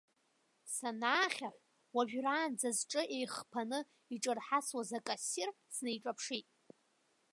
Санаахьаҳә, уажәраанӡа зҿы еихԥаны иҿырҳасуаз акассир снеиҿаԥшит.